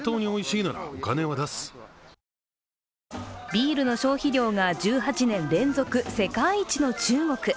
ビールの消費量が１８年連続世界一の中国。